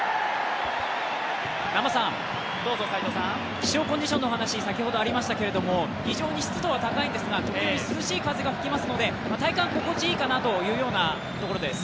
気象コンディションの話、先ほどありましたけれども、非常に湿度は高いんですが時折、涼しい風が吹きますので体感、心地いいかなというようなところです。